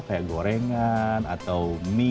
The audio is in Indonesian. kayak gorengan atau mie